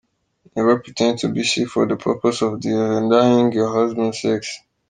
Never pretend to be sick for the purpose of denying your husband sex.